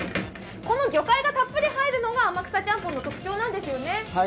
この魚介がたっぷり入るのが天草ちゃんぽんの特徴なんですね。